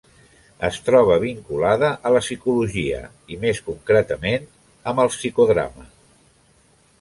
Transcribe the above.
Es troba vinculada a la psicologia i, més concretament, amb el psicodrama.